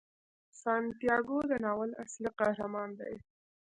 سانتیاګو د ناول اصلي قهرمان دی.